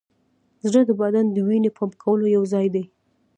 زړه د بدن د وینې پمپ کولو یوځای دی.